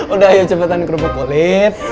udah ayo cepatan kerupuk kulit